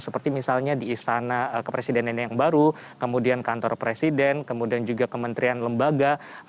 seperti misalnya di istana kepresidenan yang baru kemudian kantor presiden kemudian juga kementerian lembaga